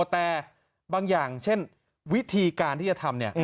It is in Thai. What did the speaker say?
แต่บางอย่างเช่นวิธีการที่จะทำ